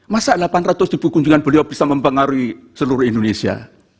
masa delapan ratus ribu kunjungan beliau bisa mempengaruhi seluruh indonesia